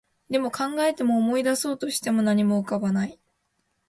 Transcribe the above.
でも、考えても、思い出そうとしても、何も思い浮かばない